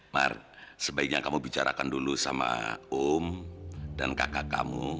mar sebaiknya kamu bicarakan dulu sama um dan kakak kamu